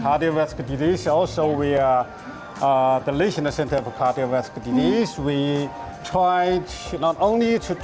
kami tidak hanya berusaha untuk melayan pesakit dengan lebih baik kami juga menjadi platform untuk program pendidikan dan program penelitian